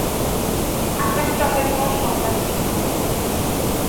আকাশ রাজার কোন সন্তান ছিল না।